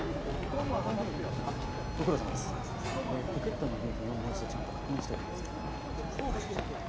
ええポケットの遺留品をもう一度ちゃんと確認しといてください。